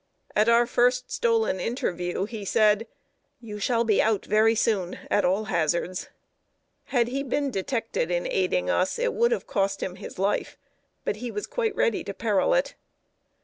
At our first stolen interview he said: "You shall be out very soon, at all hazards." Had he been detected in aiding us, it would have cost him his life; but he was quite ready to peril it.